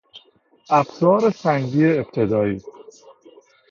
ابزار سنگی ابتدایی